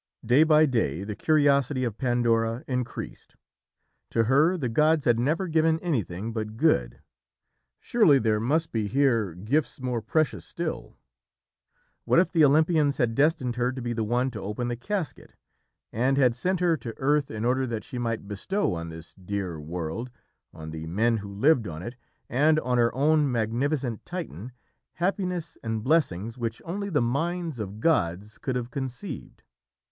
Day by day, the curiosity of Pandora increased. To her the gods had never given anything but good. Surely there must be here gifts more precious still. What if the Olympians had destined her to be the one to open the casket, and had sent her to earth in order that she might bestow on this dear world, on the men who lived on it, and on her own magnificent Titan, happiness and blessings which only the minds of gods could have conceived?